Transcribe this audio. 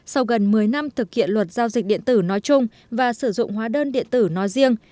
sau gần một mươi năm thực hiện luật giao dịch điện tử nói chung và sử dụng hóa đơn điện tử nói riêng